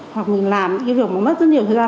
hoặc mình làm cái việc mà mất rất nhiều thời gian